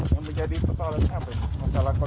yang menjadi persoalannya apa